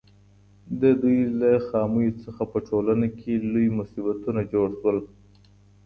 د دوی له خامیو څخه په ټولنه کي لوی مصیبتونه جوړ سول.